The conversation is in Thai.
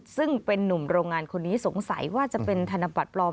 ซึ่งเป็นนุ่มโรงงานคนนี้สงสัยว่าจะเป็นธนบัตรปลอม